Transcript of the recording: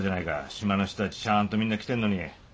島の人たちちゃーんとみんな来てんのに。